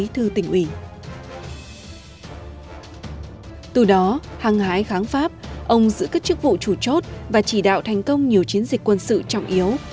từ đó hăng hái kháng pháp ông giữ các chức vụ chủ chốt và chỉ đạo thành công nhiều chiến dịch quân sự trọng yếu